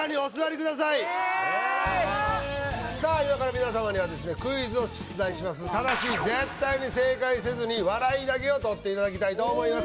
今から皆様にはですねクイズを出題しますただし絶対に正解せずに笑いだけをとっていただきたいと思います